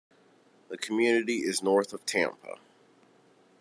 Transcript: The community is north of Tampa.